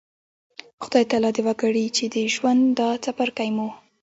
خدای تعالی د وکړي چې د ژوند دا څپرکی مو